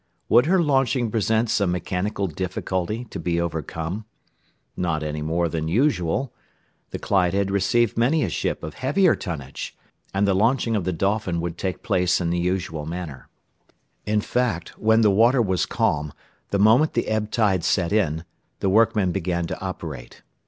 Would her launching present some mechanical difficulty to be overcome? Not any more than usual. The Clyde had received many a ship of heavier tonnage, and the launching of the Dolphin would take place in the usual manner. In fact, when the water was calm, the moment the ebb tide set in, the workmen began to operate.